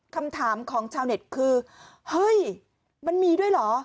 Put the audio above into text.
คำถามของชาวเน็ตคือเฮ้ยมันมีด้วยเหรอ